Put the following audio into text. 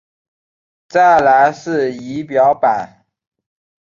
再来是仪表板